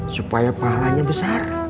supaya pahalanya besar